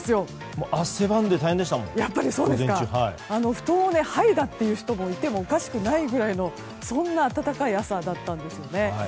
布団をはいだという人がいてもおかしくないぐらいのそんな暖かい朝だったんですね。